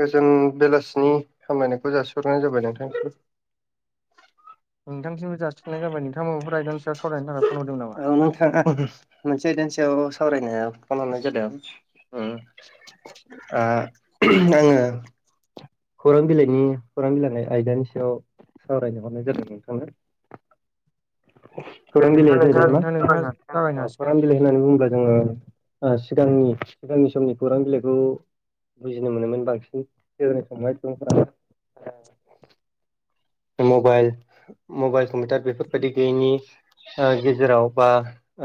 गोजोन बेलासिनि हामलायनायखौ जासिहरनाय जाबाय नोंथांनिसिम। नोंथांसिमबो जासिननाय जाबाय नोंथाङा माबाफोर आइदानि सायाव सावरायनो थाखाय फन हरदोंमोन नामा? औ नोंथां। मोनसे आयदानि सायाव सावरायनो फन हरनाय जादों ओम। ओ आङो खौरां बिलाइनि खौरां बिलाइनि आयदानि सायाव सावरायनो हरनाय जादों नोंथांनो। खौरां बिलाया दे जाहैबाय मा नोंथां नोंथाङा जागायनो ओ खौरां हासिगोन बिलाय होननानै बुङोब्ला जोङो ओ सिगांनि सिगांनि समनि खौरां बिलाइखौ बुजिनो मोनोमोन बांसिन [unintelligible] सुबुंफोरा। मबाइल मबाइल कम्पिउटार बेफोरबायदि गैयिनि फिसा गेजेराव बा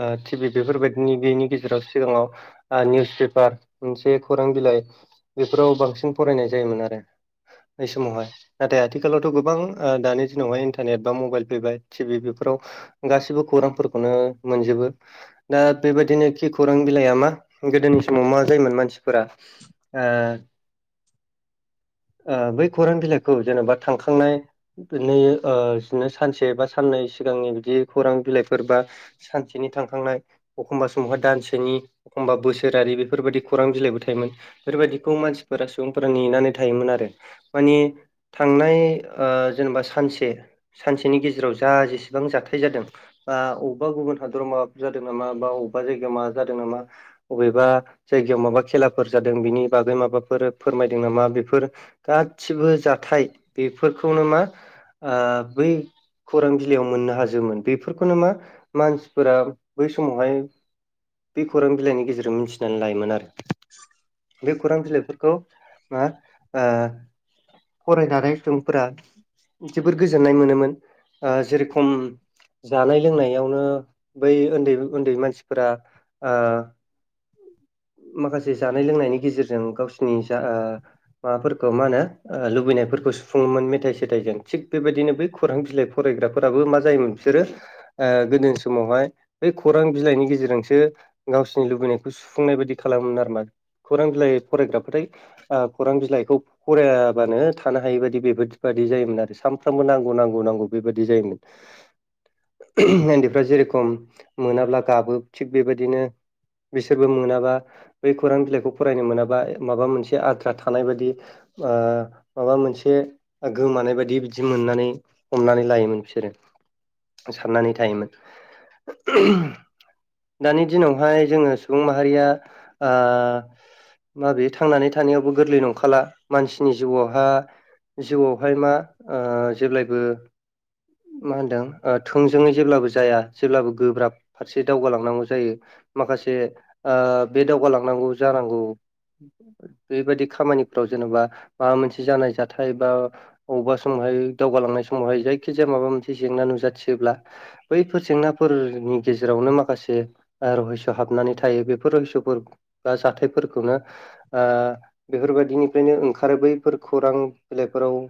ओ टि भि बेफोरबायदिनि गैनि गेजेराव सिगाङाव आ निउस पेपार मोनसे खौरां बिलाइ बेफोराव बांसिन फरायनाय जायोमोन आरो। बै समावहाय नाथाय आथिखालावथ' गोबां ओ दानि दिनावहाय इन्टारनेट बा मबाइल फैबाय टिभि बेफोराव गासिबो खौरांफोरखौनो मोनजोबो। दा बेबायदिनो खि खौरां बिलाइआ मा गोदोनि समाव मा जायोमोन मानसिफोरा ओ ओ बै खौरां बिलाइखौ जेनेबा थांखांनाय बिदिनो बिदिनो सानसे बा साननै सिगांनि बिदि खौरां बिलाइफोर बा सानसेनि थांखांनाय एखमबा समावहा दानसेनि एखमबा बोसोरारि बेफोरबायाददि खौरां बिलाइबो थायोमोन बेफोरबायदिखौ मानसिफोरा सुबुंफोरा नेनानै थायोमोन आरो माने थांनाय जेनेबा सानसे सानसेनि गेजेराव जा जेसेबां जाथाय जादों अबेबा गुबुन हादराव माबाफोर जादों नामा बा अबेबा जायगायाव माबा जादों नामा अबेबा जायगायाव माबा खेलाफोर जादों बिनि बागै माबाफोर फोरमायदों नामा बेफोर गासिबो जाथाय बेफोरखौनो मा ओ बै खौरां बिलाइयाव मोननो हाजोमोन बेफोरखौनो मा मानसिफोरा बै समावहाय बे खौरां बिलाइनि गेजेरजों मिथिनानै लायोमोन आरो [inaudible] बे खौरां बिलाइफोरखौ फरायनानै सुबुंफोरा जोबोद गोजोननाय मोनोमोन जेरेखम जानाय लोंनायावनो बै उन्दै उन्दै मानसिफोरा ओ माखासे जानाय लोंनायनि गेजेरजों गावसिनि जा ओ माबाफोरखौ मा होनो लुबैनायफोरखौ सुफुङोमोन मेथाइ सेथाइजों थिग बेबायदिनो बै खौरां बिलाइ फरायग्राफोराबो मा जायोमोन बिसोरो ओ गोदोनि समावहाय बै खौरां बिलाइनि गेजेरजोंसो गावसिनि लुबैनायखौ सु सुफुंनाय बायदि खालामोमोन आरोमा खौरां बिलाइ फरायग्रा फथाय ओ खौरां बिलाइखौ फरायाबानो थानो हायि बादि बेबादि जायोमोन आरो सानफ्रामबो नांगौ नांगौ नांगौ बेबादि जायोमोन। उन्दैफ्रा जेरेखम मोनाब्ला गाबो थिग बेबायदिनो बेसोरबो मोनाबा बै खौरां बिलाइखौ फरायनो मोनाबा माबा मोनसे आद्रा थानाय बायदि माबा मोनसे गोमानाय बायदि बिदि मोननानै हमनानै लायोमोन बिसोरो साननानै थायोमोन दानि दिनावहाय जोङो सुबुं माहारिया ओ माबे थांनानै थानायावबो गोरलै नंखाला मानसिनि जिउआवहा जिउआवहाय मा ओ जेब्लायबो मा होनदों ओ थोंजोङै जेब्लाबो जाया जेब्लाबो गोब्राब फारसे दावगालांनांगौ जायो माखासे बे दावगालांनांगौ जानांगौ बेबादि खामानिफ्राव जेन'बा माबा मोनसे जानाय जाथाय बा अबेबा समावहाय दावगालांनाय समावहाय जायखिजाया माबा मोनसे जेंना नुजाथियोब्ला बैफोर जेंनाफोरनि गेजेरावनो माखासे रहयस' हाबनानै थायो बेफोर रहयसफोर बा जाथायफोरखौनो बेफोरबायदिनिफ्रायनो ओंखारो बैफोर खौरां बिलाइफोराव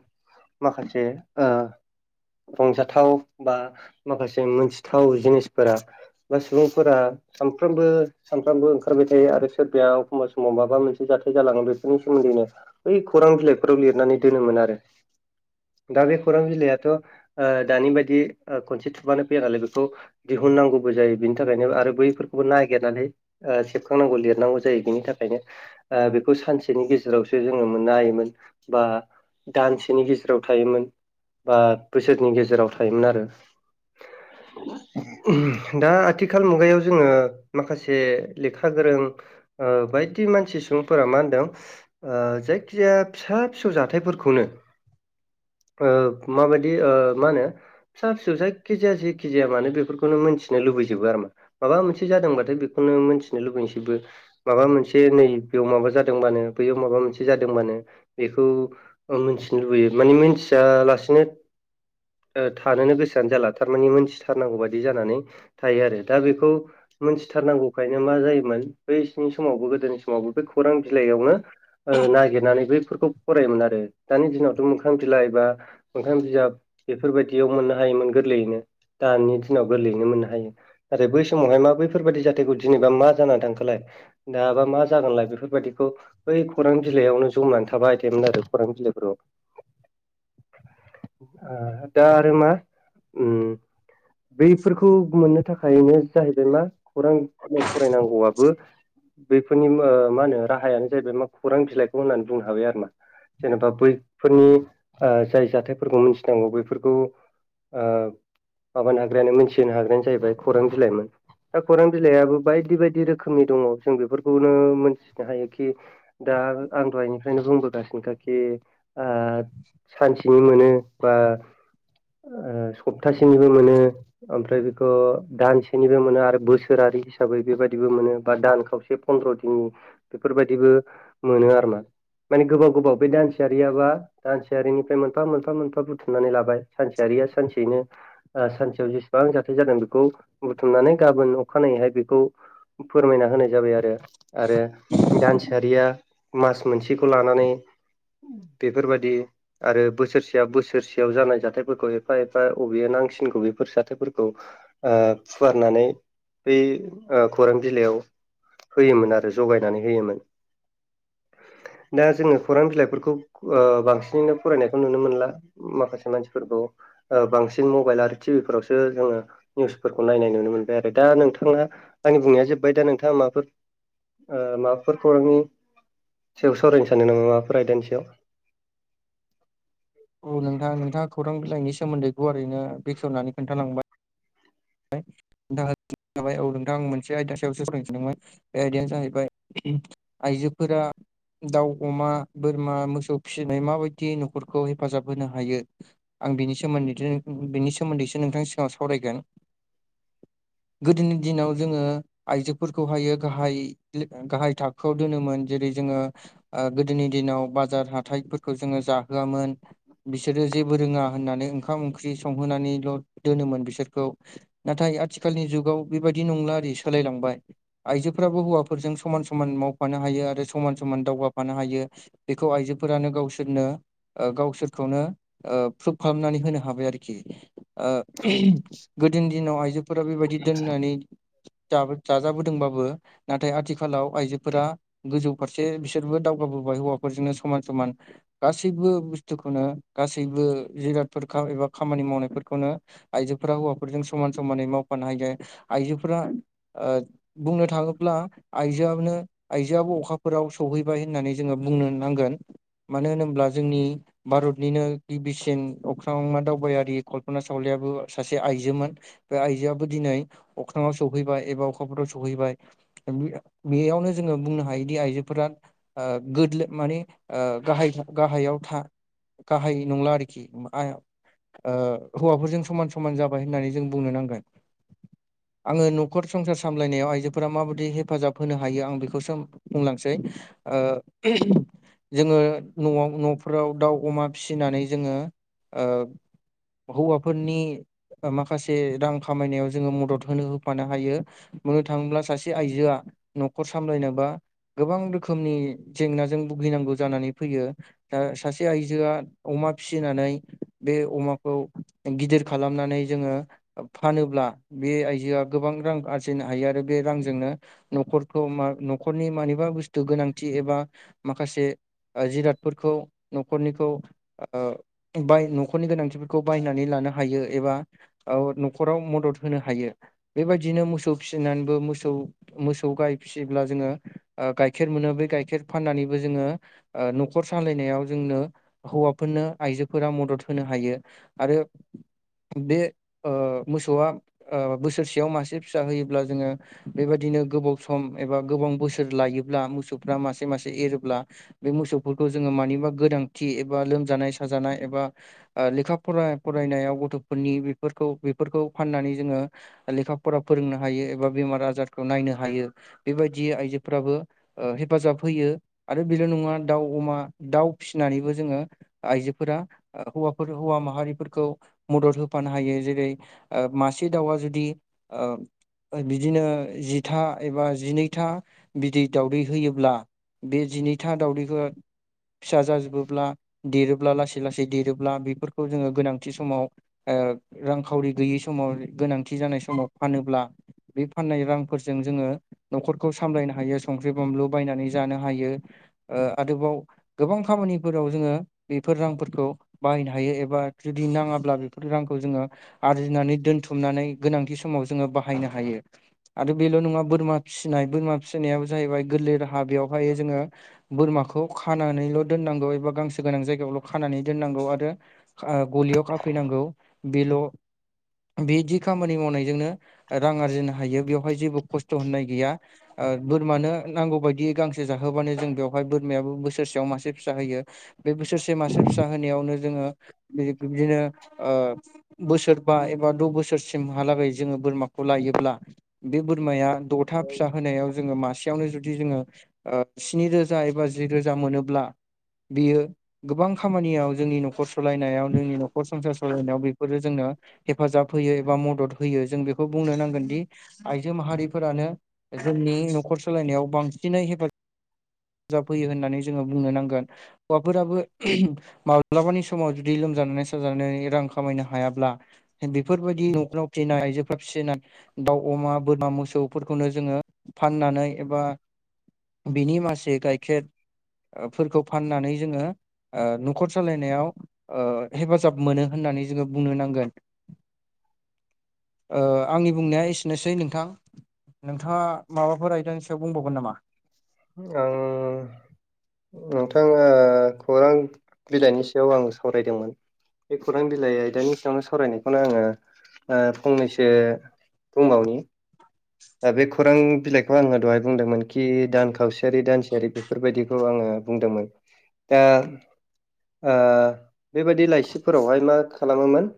माखासे ओ रंजाथाव बा माखासे मोनथिथाव जिनिसफोरा बा सुबुंफोरा सानफ्रोमबो सानफ्रामबो ओंखारबाय थायो आरो सोरबाया एखमबा समाव माबा मोनसे जाथाय जालाङो बेफोरनि सोमोन्दैनो बै खौरां बिलाइफोराव लिरनानै दोनोमोन आरो। दा बे खौरां बिलायाथ' दानि बायदि खनसे थुबानो फैया नालाय बेखौ दिहुननांगौबो जायो बिनि थाखायनो आरो बैफोरखौबो नागिरनानै सेबखांनांगौ लिरनांगौ जायो बिनि थाखायनो बेखौ सानसेनि गेजेरावसो जोङो मोननो हायोमोन बा दानसेनि गेजेराव थायोमोन बा बोसोरनि गेजेराव थायोमोन आरो दा आथिखाल मुगायाव जोङो माखासे से लेखा गोरों ओ बायदि मानसि सुबुंफोरा मा होनदों ओ जायखिजाया फिसा फिसौ जाथाइफोरखौनो ओ माबायदि ओ माहोनो फिसा फिसौ जायखिजाया जेखिजाया मानो बेफोरखौनो मिथिनो लुबैजोबो आरोना। माबा मोनसे जादोंबाथाय बेखौ खौनो मोनथिनो लुबैजोबो। माबा मोनसे नै बेयाव माबा जादोंबानो बैयाव माबा मोनसे जादोंबानो बेखौ मिथिनो लुबैयो माने मिथियालासेनो ओ थानोनो गोसोआनो जाला थारमाने मोनथिथारनांगौ बादि जानानै थायो आरो दा बेखौ मोनथिथारनांगौ ओंखायनो मा जायोमोन बैसिनि समावबो गोदोनि समावबो बे खौरां बिलाइयावनो ओ नागिरनानै बैफोरखौ फरायोमोन आरो दानि दिनावथ' मोखां बिलाय बा मोखां बिजाब बेफोरबायदियाव मोननो हायोमोन गोरलैयैनो दानि दिनाव गोरलैयैनो मोननो हायो। नाथाय बै समावहाय मा बैफोरबादि जाथायखौ जेनेबा मा जाना थांखानाय दाबा मा जागोनलाय बेफोरबादिखौ बै खौरां बिलाइयावनो जमनानै थाबाय थायमोन आरो खौरां बिलाइफोराव। आ दा आरो मा ओम बैफोरखौ मोननो थाखायनो जाहैबाय मा खौरां बिलाइ फरायनांगौआबो बैफोरनि ओ मा होनो राहायानो जाहैबाय मा खौरां बिलाइखौ होननानै बुंनो हाबाय आरो ना। जेनेबा बैफोरनि आ जाय जाथायफोरखौ मोनथिनांगौ बैफोरखौ आ माबानो हाग्रायानो मोनथिहोनो हाग्रायानो जाहैबाय खौरां बिलाइमोन। दा खौरां बिलाइ बिलायाबो बायदि बायदि रोखोमनि दङ जों बेफोरखौनो मिथिनो हायोखि दा आं दहायनिफ्रायनो बुंबोगासिनोखा खि आ सानसेनि मोनो। बा ओ सप्तासेनिबो मोनो। ओमफ्राय बेखौ दानसेनिबो मोनो आरो बोसोर बोसोरारि हिसाबै बेबायदिबो मोनो बा दान खावसे फन्द्र' दिननि बेफोरबादिबो मोनो आरोना। माने गोबाव गोबाव बे दानसेयारियाबा दानसेयारिनिफ्राय मोनफा मोनफा मोनफा बुथुमनानै लाबाय। सानसेयारिया सानसेयैनो ओ सानसेयाव जेसेबां जाथाय जादों बेखौ बुथुमनानै गाबोननो अखानायैहाय बेखौ फोरमायना होनाय जाबाय आरो, आरो दानसेयारिया मास मोनसेखौ लानानै बेफोरबादि आरो बोसोरसेया बोसोरसेयाव जानाय जाथायफोरखौ एफा एफा अबे नांसिनगौ बेफोर जाथायफोरखौ आ फुवारनानै बै आ खौरां बिलाइयाव होयोमोन आरो ज'गायनानै होयोमोन। दा जोङो खौरां बिलाइफोरखौ ओ बांसिनैनो फरायनायखौ नुनो मोनला। माखासे मानसिफोरखौ ओ बांसिन मबाइल आरो टिभि फोरावसो जोङो निउसफोरखौ नायनाय नुनो मोनबाय आरो। दा नोंथाङा आंनि बुंनाया जोबबाय दा नोंथाङा माबाफोर आ माबाफोर खौरांनि सायाव सावरायनो सानदों नामा माफोर आयदानि सायाव? औ नोंथा नोंथाङा खौरां बिलाइनि सोमोन्दै गुवारैनो बेखेवनानै खोन्थालांबाय। [unintelligible] औ नोंथां मोनसे आयदा सायावसो सावरायनो सानदोंमोन। बे आयदायानो जाहैबाय आइजोफोरा दाउ, अमा, बोरमा, मोसौ फिसिनाय माबायदि न'खरखौ हेफाजाब होनो हायो? आं बिनि सोमोन्दैथो बिनि सोमोन्दैसो नोंथांनि सिगांआव सावरायगोन। गोदोनि दिनाव जोङो आइजोफोरखौहायो गाहाय गाहाय थाखोआव दोनोमोन जेरै जोङो आ गोदोनि दिनाव बाजार हाथायफोरखौ जोङो जाहोआमोन। बिसोरो जेबो रोङा होननानै ओंखाम ओंख्रि संहोनानैल' दोनोमोन बिसोरखौ। नाथाय आथिखालनि जुगाव बेबादि नंला आरि सोलायलांबाय। आइजोफोराबो हौवाफोरजों समान समान मावफानो हायो आरो समान समान दावगाफानो हायो। बेखौ आइजोफोरानो गावसोरनो गावसोरखौनो प्रुभ खालामनानै होनो हाबाय आरोखि गोदोनि दिनाव आइजोफोरा बेबायदि दोननानै जाजाबोदोंबाबो नाथाय आथिखालाव आइजोफोरा गोजौ फारसे बिसोरबो दावगाबोबाय हौवाफोरजोंनो समान समान गासैबो बुस्थुखौनो गासैबो जिराद एबा खामानि मावनायफोरखौनो आइजोफोरा हौवाफोरजों समान समानै मावफानो हायो जाया आइजोफोरा बुंनो थाङोब्ला आइजोआनो आइजोआबो अखाफोराव सौहैबाय होननानै जोङो बुंनो नांगोन मानो होनोब्ला जोंनि भारतनिनो गिबिसिन अख्रांमा दावबायारि कल्पना सावलाबो सासे आइजो आइजोमोन बे आइजोआबो दिनै अख्राङाव सौहैबाय एबा अखाफोराव सौहैबाय बेयावनो जोङो बुंनो हायोदि आइजोफोरा गोदल माने गाह गाहायाव था गाहाय नंला आरोखि हौवाफोरजों समान समान जाब माय होननानै जों बुंनो नांगोन आङो न'खर संसार सामलायनायाव आइजोफोरा माबायदि हेफाजाब होनो हायो आं बेखौसो बुंलांसै जोङो न'आव न'फोराव दाउ अमा फिसिनानै जोङो हौवाफोरनि माखासे रां खामायनायाव जोङो मदद होनो होफानो हायो बुंनो थाङोब्ला सासे आइजोआ न'खर सामलायनोबा गोबां रोखोमनि जेंनाजों भुगिनांगौ जानानै फैयो दा सासे आइजोआ अमा फिसिनानै बे अमाखौ गिदिर खालामनानै जोङो फानोब्ला बे आइजोआ गोबां रां आरजिनो हायो आरो बे रांजोंनो न'खरखौ न'खरनि मानिबा बुस्थु गोनांथि एबा माखासे जिरादफोरखौ न'खरनिखौ बाय न'खरनि गोनांथिफोरखौ बायनानै लानो हाग हायो एबा न'खराव मदद होनो हायो बेबायदिनो मोसौ फिसिनानैबो मोसौ मोसौ गाइ फिसिब्ला जोङो गाइखेर मोनो बे गाइखेर फाननानैबो जोङो न'खर सालायनायाव जोंनो हौवाफोरनो आइजोफोरा मदद होनो हायो आरो बे मोसौआ बोसोरसेयाव मासे फिसा होयोब्ला जोङो बेबायदिनो गोबाव सम एबा गोबाव बोसोर लायोब्ला मोसौफ्रा मासे मासे एरोब्ला बे मोसौफोरखौ जोङो मानिबा गोनांथि एबा लोमजानाय साजानाय एबा लेखा फ फरायनायाव गथ'फोरनि बेफोरखौ बेफोरखौ फाननानै जोङो लेखा फरा फोरोंनो हायो एबा बेमार आजारखौ नायनो हायो बेबायदि आइजोफोराबो हेफाजाब होयो आरो बेल' नङा दाउ अमा दाउ फिसिनानैबो जोङो आइजोफोरा हौवाफोर हौवा माहारिफोर खौ मदद होफानो हायो जेरै मासे दाउआ जुदि बिदिनो जिथा एबा जिनैथा बिदै दावदै होयोब्ला बे जिनैथा दावदैखौ फिसा जाजोबोब्ला देरोब्ला लासै लासै देरोब्ला बेफोरखौ जोङो गोनां थि समाव रांखावरि गैयि समाव गोनांथि जानाय समाव फानोब्ला बे फाननाय रांफोरजों जोङो न'खरखौ सामलायनो हायो संख्रि बानलु बायनानै जानो हायो आरोबाव गोबां खामानिफोराव जोङो बेफोर रांफोरखौ बाहायनो हायो एबा जुदि नाङाब्ला बेफोर रांखौ जोङो आर्जिनानै दोनथुमनानै गोनांथि समाव जोङो बाहायनो हायो आरो बेल' नङा बोरमा फिसिनाय बोरमा फिसिनायाबो जाहैबाय गोरलै राहा बेवहाय जोङो बोरमाखौ खानानैल' दोननांगौ एबा गांसो गोनां जायगायावल' खानानै दोननांगौ आरो गलियाव खाफैनांगौ बेल' बिदि खामानि मावनायजोंनो रां आरजिनो हायो बेवहाय जेबो खस्थ' होननाय गैया। ओ बोरमानो नांगौ बायदि गांसेो जाहोबानो जों बेवहाय बोरमायाबो बोसोरसेयाव मासे फिसा होयो। बे बोसोरसे मासे फिसा होनायावनो जोङो ओ बिब्दिनो ओ बोसोरबा एबा द' बोसोरसिमहालागै जोङो बोरमाखौ लायोब्ला बे बोरमाया द'था फिसा होनायाव जोङो मासेयावनो जुदि जोङो ओ स्नि रोजा एबा जि रोजा मोनोब्ला बियो गोबां खामानियाव जोंनि न'खर स लायनायाव जोंनि नखर संसार सलायनायाव बेफोरो जोंनो हेफाजाब होयो एबा मदद होयो। जों बेखौ बुंनो नांगोन दि आइजो माहारिफोरानो ओ जोंनि न'खर सालायनायाव बांसिनै हेफाजाब जाबहोयो होननानै जोङो बुंनो नांगोन। हौवाफोराबो माब्लाबानि समाव जुदि लोमजानानै साजानानै रां खामायनो हायाब्ला होन बेफोरबायदि न'खराव फिनाय आइजोफ्रा फियोना दाउ, अमा, बोरमा, मोसौफोरखौनो जोङो फाननानै एबा बिनि मासे गाइखेर ओ फोरखौ फाननानै जोङो ओ न'खर सालायनायाव ओ हेफाजाब मोनो होननानै जोङो बुंनो नांगोन। ओ आंनि बुंनाया एसेनोसै नोंथां। नोंथाङा माबाफोर आयदानि सायाव बुंबावगोन नामा? आं नोंथां ओ खौरां बिलाइनि सायाव आं सावरायदोंमोन। बे खौरां बिलाइ आयदानि सियावनो सावरायनायखौनो आङो ओ फंनैसो बुंबावनि। ओ बे खौरां बिलाइखौ आङो दहाय बुंदोंमोनखि दान खावसेयारि दानसेयारि बेफोरबायदिखौ आङो बुंदोंमोन दा आ बेबायदि लाइसिफोरावहाय मा खालामोमोन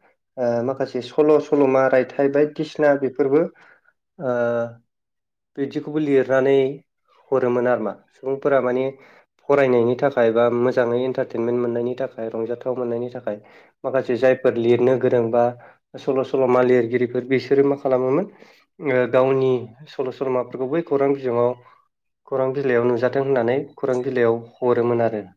ओ माखासे सल' सल'मा रायथाइ बायदिसिना बेफोरबो ओ बिदिखौबो लिरनानै हरोमोन आरोमा सुबुंफोरा माने फरायनायनि थाखाय बा मोजाङै एन्टारटेनमेन्ट मोननायनि थाखाय रंजाथाव मोननायनि थाखाय माखासे जायफोर लिरनो गोरोंबा सल' सल'मा लिरगिरिफोर बिसोरो मा खालामोमोन ओ गावनि सल' सल'माफोरखौ बै खौरां बिजोङाव खौरां बिलाइयाव नुजाथों होननानै खौरां बिलाइयाव हरोमोन आरो।